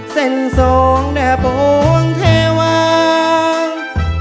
เส้นทรงแดบวงเทวัง